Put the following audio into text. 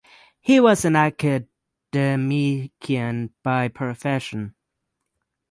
He was an academician by profession.